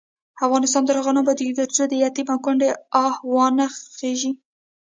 افغانستان تر هغو نه ابادیږي، ترڅو د یتیم او کونډې آه وانه خیژي.